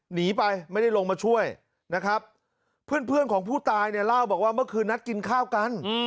หนีไปไม่ได้ลงมาช่วยนะครับเพื่อนเพื่อนของผู้ตายเนี่ยเล่าบอกว่าเมื่อคืนนัดกินข้าวกัน